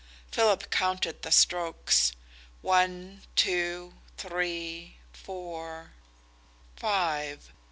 Philip counted the strokes one, two, three, four, five.